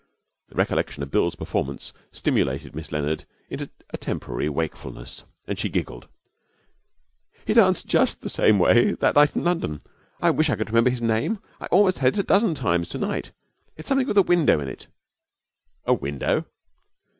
The recollection of Bill's performance stimulated Miss Leonard into a temporary wakefulness, and she giggled. 'He danced just the same way that night in London. I wish I could remember his name. I almost had it a dozen times tonight. It's something with a window in it.' 'A window?'